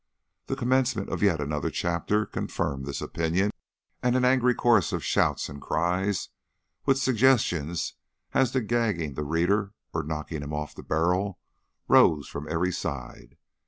The commencement of yet another chapter confirmed this opinion, and an angry chorus of shouts and cries, with suggestions as to gagging the reader or knocking him off the barrel, rose from every side.